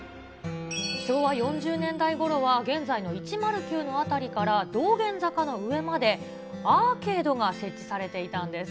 昭和４０年代頃は、現在の１０９の辺りから道玄坂の上までアーケードが設置されていたんです。